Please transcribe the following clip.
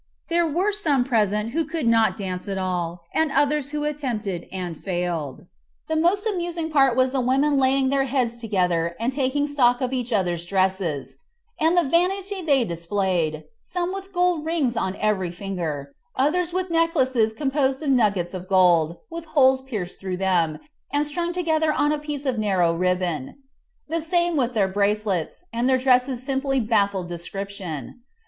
There were some present who could not dance at all, and others who attempted and failed. The most amusing part was the women laying their heads together and taking stock of each other's dresses; and the vanity they displayed some with gold rings on every finger, others with necklaces composed of nuggets of gold, with holes pierced through them, and strung together on a piece of narrow ribbon, the same with their bracelets, and their dresses simply baffled description.